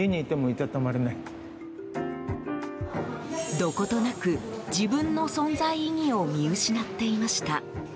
どことなく、自分の存在意義を見失っていました。